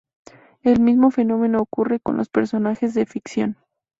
El mismo fenómeno ocurre con los personajes de ficción.